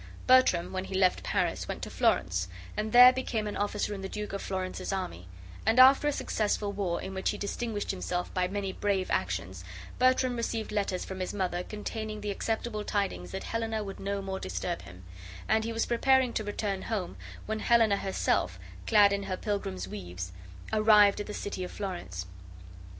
Bertram, when he left Paris, went to Florence, and there became an officer in the Duke of Florence's army, and after a successful war, in which he distinguished himself by many brave actions, Bertram received letters from his mother containing the acceptable tidings that Helena would no more disturb him; and he was preparing to return home, when Helena herself, clad in her pilgrim's weeds, arrived at the city of Florence.